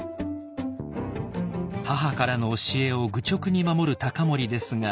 母からの教えを愚直に守る隆盛ですが。